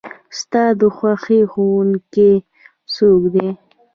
ستا د خوښې ښوونکي څوک دی؟